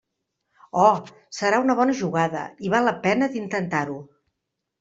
Oh!, serà una bona jugada, i val la pena d'intentar-ho.